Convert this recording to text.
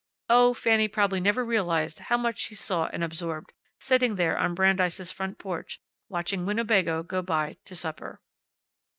Oh, Fanny probably never realized how much she saw and absorbed, sitting there on Brandeis' front porch, watching Winnebago go by to supper.